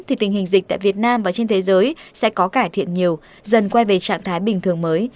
thì tình hình dịch tại việt nam và trên thế giới sẽ có cải thiện nhiều dần quay về trạng thái bình thường mới